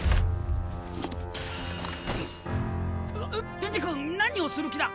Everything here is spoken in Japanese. ピピ君何をする気だ！？